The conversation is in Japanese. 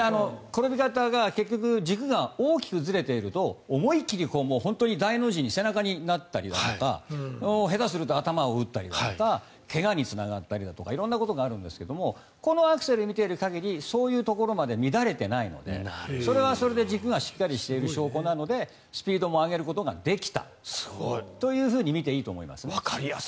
転び方が結局、軸がずれていると思い切り本当に大の字に背中になったりだとか下手すると頭を打ったりとか怪我につながったりだとか色んなことがあるんですけどこのアクセルを見ている限りそういうところまで乱れていないのでそれはそれで軸がしっかりしている証拠なのでスピードも上げることができたというふうにみていいと思います。